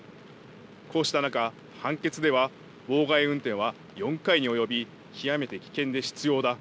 こうした中、判決では妨害運転は４回に及び極めて危険で執ようだ。